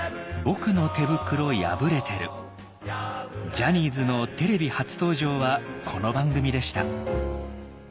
ジャニーズのテレビ初登場はこの番組でした。